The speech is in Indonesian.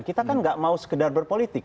kita kan gak mau sekedar berpolitik